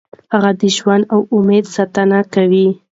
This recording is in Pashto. هغه د ژوند او امید ستاینه کوي.